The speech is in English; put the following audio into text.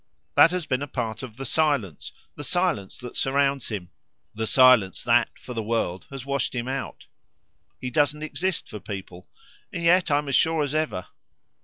That has been a part of the silence, the silence that surrounds him, the silence that, for the world, has washed him out. He doesn't exist for people. And yet I'm as sure as ever.